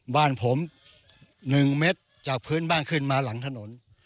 บ้านผม๑เมตรจากพื้นบ้านขึ้นมาหลังถนน